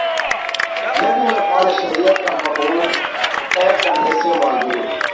میں بھی نفاذ شریعت کا مفہوم طے کرنے سے معذور ہوں۔